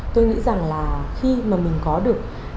tôi nghĩ rằng là khi mà mình có được những cái tình cảm